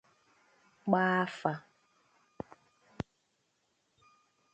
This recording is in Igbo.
gbaa afa